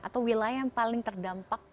atau wilayah yang paling terdampak